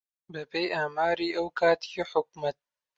بەپێی ئاماری ئەو کاتی حکوومەت